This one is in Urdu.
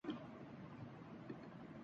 ان سے اقرار نامہ لیا گیا کہ وہ واپس آئیں گے۔